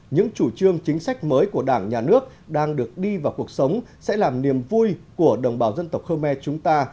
những chủ trương chính sách mới của đảng nhà nước đang được đi vào cuộc sống sẽ làm niềm vui của đồng bào dân tộc khơ me chúng ta